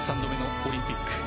３度目のオリンピック。